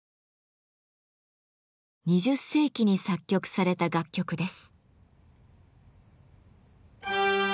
２０世紀に作曲された楽曲です。